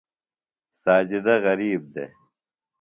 ساجدہ غریب دےۡ۔